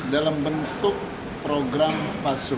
dalam bentuk program pasum